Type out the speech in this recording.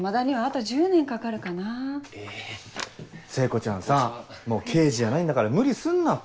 聖子ちゃんさぁもう刑事じゃないんだから無理すんなって。